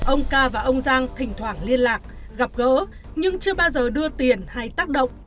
ông ca và ông giang thỉnh thoảng liên lạc gặp gỡ nhưng chưa bao giờ đưa tiền hay tác động